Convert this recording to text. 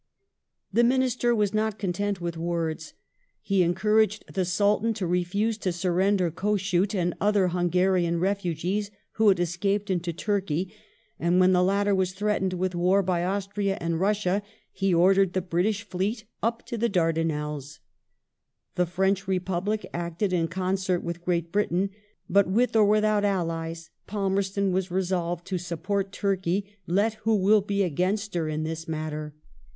The Minister was not content with words. He encouraged the J^^ j" Sultan to refuse to surrender Kossuth and other Hungarian refu bottle gees who had escaped into Turkey, and when the latter was^^^^^"^" threatened with war by Austria and Russia, he ordered the British fleet up to the Dardanelles. The French Republic acted in con cert with Great Britain ; but, with or without allies, Palmerston was " resolved to support Turkey, let who will be against her in this matter".